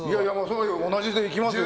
同じでいきますよ。